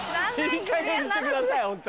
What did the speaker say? いいかげんにしてくださいホントに。